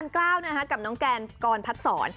กล้าวนะฮะกับน้องแกนกรพัฒน์สอน